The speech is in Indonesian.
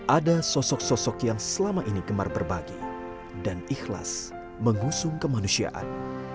ada sosok sosok yang selama ini gemar berbagi dan ikhlas mengusung kemanusiaan